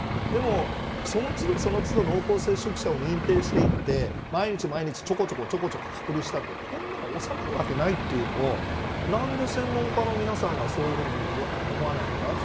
でも、その都度その都度濃厚接触者を認定していって毎日毎日、ちょこちょこ隔離したってこんなの収まるわけないなんてのを専門家の皆さんがそういうふうに思わないのか。